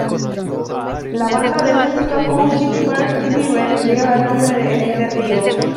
La banda de música country "Pearl River" lleva el nombre de este río.